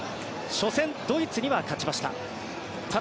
初戦、ドイツには勝ちました。